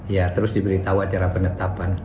ya terus diberitahu acara penetapan